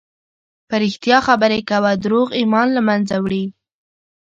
په رښتیا خبرې کوه، دروغ ایمان له منځه وړي.